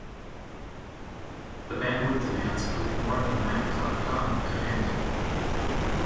The bandwidth demands proved more than Mac.Com could handle.